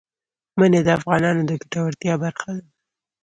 منی د افغانانو د ګټورتیا برخه ده.